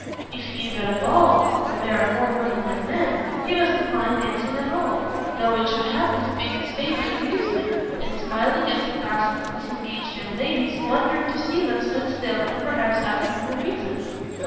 If he is at a ball where there are more women than men, he must decline dancing at all, though it should happen to be his favourite amusement, and smiling as he passes the disengaged young ladies, wonder to see them sit still, and perhaps ask them the reason!"